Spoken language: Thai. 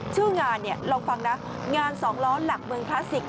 ชื่องานเนี่ยลองฟังนะงานสองล้อหลักเมืองพลาสติก